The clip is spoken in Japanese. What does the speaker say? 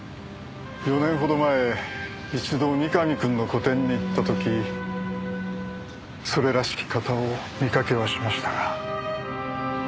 ４年ほど前一度三上くんの個展に行った時それらしき方を見かけはしましたが。